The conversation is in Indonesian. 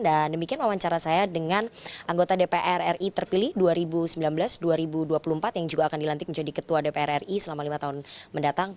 dan demikian wawancara saya dengan anggota dpr ri terpilih dua ribu sembilan belas dua ribu dua puluh empat yang juga akan dilantik menjadi ketua dpr ri selama lima tahun mendatang